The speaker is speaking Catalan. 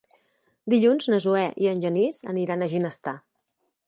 Dilluns na Zoè i en Genís aniran a Ginestar.